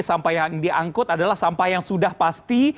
sampah yang diangkut adalah sampah yang sudah pasti